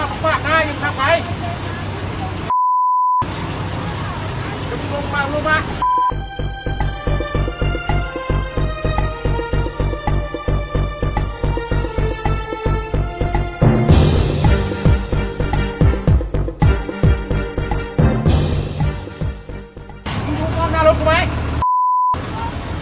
โอ้ยไอตี้มขังขลอแล้วข้าวข้างฝากได้ยังขับไหว